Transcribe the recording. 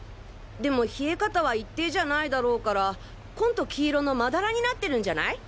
でも冷え方は一定じゃないだろうから紺と黄色のまだらになってるんじゃない？